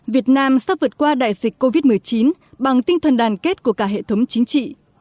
việt nam sắp vượt qua đại dịch covid một mươi chín bằng tinh thần đàn kết của cả hệ thống chính trị